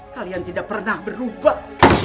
kalian tidak pernah berubah